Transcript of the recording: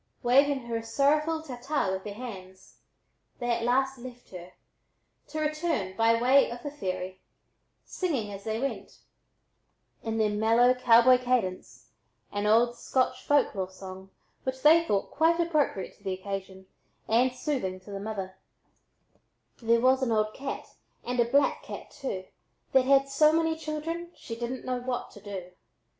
Waving her a sorrowful "ta ta" with their hands, they at last left her, to return by way of the ferry, singing as they went, in their mellow cowboy cadence, an old Scotch folk lore song which they thought quite appropriate to the occasion and soothing to the mother: There was an old cat, and a black cat, too, That had so many children, she didn't know what to do.